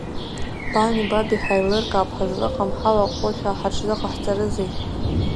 Бани баби ҳаилыркаап, ҳазлаҟам ҳалаҟоушәа ҳаҽзыҟаҳҵарызеи.